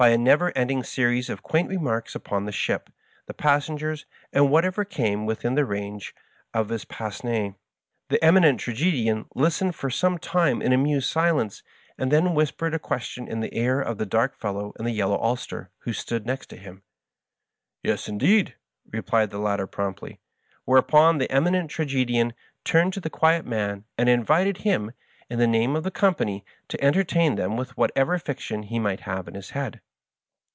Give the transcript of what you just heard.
bj a never ending series of quaint remarks upon the ship, the pas sengers, and whatever came within the range of his pince nez^ The Eminent Tragedian listened for some time in amused silence, and then whispered a question in the ear of the dark fellow in the yel low ulster, who stood next him. " Yes, indeed,'* replied the latter promptly; whereupon the Eminent Tragedian turned to the quiet man, and invited him, in the name of the company, to entertain them with whatever fiction he might have in his head.